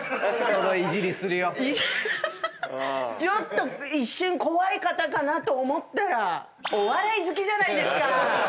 ちょっと一瞬怖い方かなと思ったらお笑い好きじゃないですか！